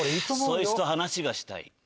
そいつと話がしたい。